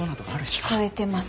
聞こえてます。